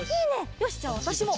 よしじゃあわたしも！